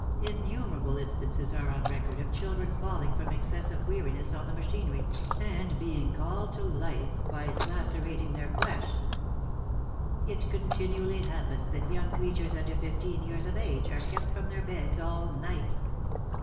Innumerable instances are on record of children falling from excess of weariness on the machinery, and being called to life by its lacerating their flesh. It continually happens that young creatures under fifteen years of age, are kept from their beds all night.